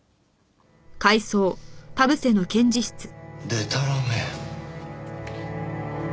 でたらめ。